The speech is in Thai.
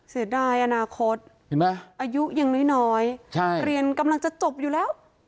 เสียดายอนาคตเห็นไหมอายุยังน้อยเรียนกำลังจะจบอยู่แล้ว